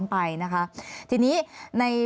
มันเป็นแบบที่สุดท้าย